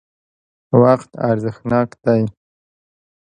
وقت ارزښتناک دی.